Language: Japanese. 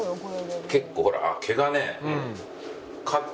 結構ほら毛がね。